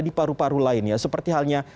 di paru paru lain ya seperti halnya